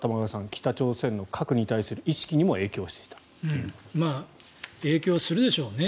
北朝鮮の核に対する意識にも影響するでしょうね。